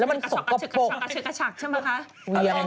รูนอกทางไปหมด